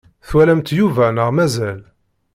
Twalamt Yuba neɣ mazal?